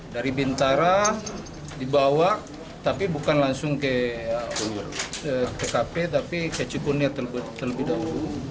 dari bintara dibawa tapi bukan langsung ke tkp tapi ke cikunir terlebih dahulu